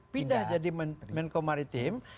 pindah menjadi menko maritim